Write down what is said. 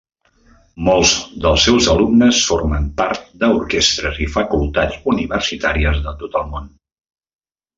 Molts dels seus alumnes formen part d'orquestres i facultats universitàries de tot el món.